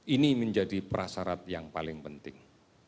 ini menjadi prasarat yang paling penting